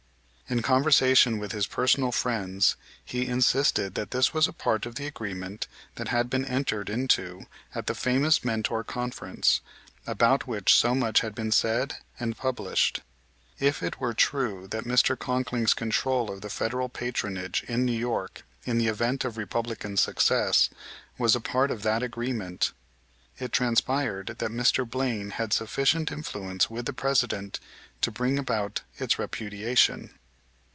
In conversation with his personal friends he insisted that this was a part of the agreement that had been entered into at the famous Mentor Conference, about which so much had been said and published. If it were true that Mr. Conkling's control of the Federal patronage in New York in the event of Republican success was a part of that agreement, it transpired that Mr. Blaine had sufficient influence with the President to bring about its repudiation.